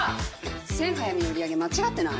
セン・ハヤミの売り上げ間違ってない？